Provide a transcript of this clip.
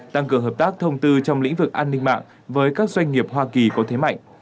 tăng cường hợp tác thông tư trong lĩnh vực an ninh mạng với các doanh nghiệp hoa kỳ có thế mạnh